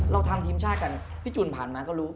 เราทำทีมชาติกันพี่จุนผ่านมาก็รู้